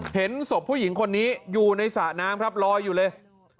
เห็นศพผู้หญิงคนนี้อยู่ในสระน้ำครับลอยอยู่เลย